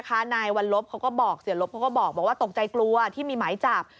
นายวัลลบเขาก็บอกเสียลบเขาก็บอกว่าตกใจกลัวที่มีหมายจับ